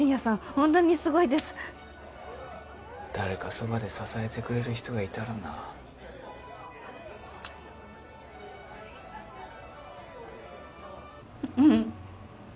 ほんとにすご誰かそばで支えてくれる人がいたらなチュッうん。